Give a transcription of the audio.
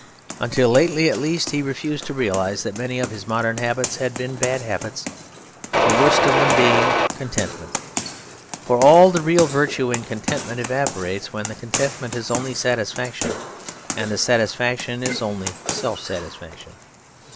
Until lately at least he refused to realise that many of his modern habits had been bad habits, the worst of them being contentment. For all the real virtue in contentment evaporates, when the contentment is only satisfaction and the satisfaction is only self satisfaction.